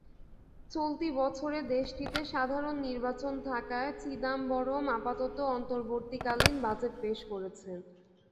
চলতি বছরে দেশটিতে সাধারণ নির্বাচন থাকায় চিদাম্বরম আপাতত অন্তর্বর্তীকালীন বাজেট পেশ করেছেন।